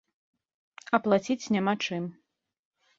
А плаціць няма чым.